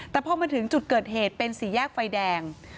แต่พอมาถึงจุดเกิดเหตุเป็นสี่แยกไฟแดง